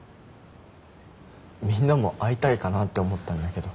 みんなも会いたいかなって思ったんだけど。